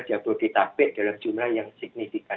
sehingga perlu ditapik dalam jumlah yang signifikan